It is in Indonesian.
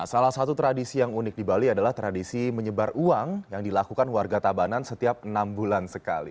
salah satu tradisi yang unik di bali adalah tradisi menyebar uang yang dilakukan warga tabanan setiap enam bulan sekali